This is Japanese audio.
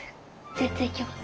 全然行けます。